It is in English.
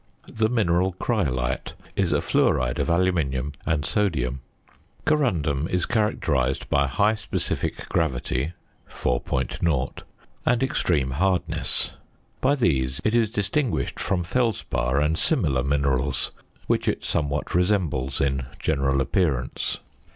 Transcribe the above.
The mineral cryolite is a fluoride of aluminium and sodium. Corundum is characterised by a high specific gravity (4.0) and extreme hardness. By these it is distinguished from felspar and similar minerals, which it somewhat resembles in general appearance.